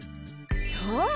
そう！